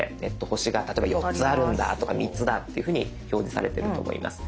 星が例えば４つあるんだとか３つだっていうふうに表示されてると思います。